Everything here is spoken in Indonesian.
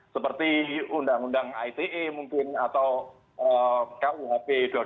seperti undang undang ite mungkin atau kuhp dua ribu dua puluh